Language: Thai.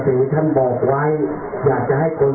สวัสดีครับสวัสดีครับ